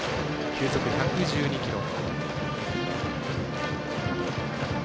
球速１１２キロ。